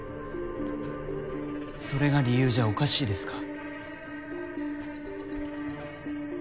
それが理由じゃおかしいですか？